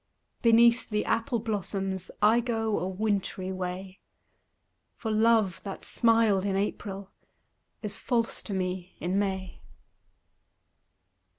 Beneath the apple blossoms I go a wintry way, For love that smiled in April Is false to me in May.